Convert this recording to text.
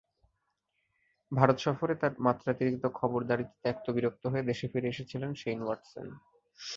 ভারত সফরে তাঁর মাত্রাতিরিক্ত খবরদারিতে ত্যক্ত-বিরক্ত হয়ে দেশে ফিরে এসেছিলেন শেন ওয়াটসন।